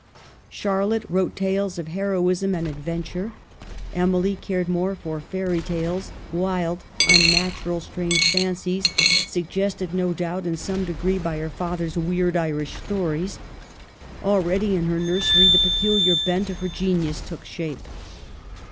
Charlotte wrote tales of heroism and adventure. Emily cared more for fairy tales, wild, unnatural, strange fancies, suggested no doubt in some degree by her father's weird Irish stories. Al ready in her nursery the peculiar bent of her genius took shape.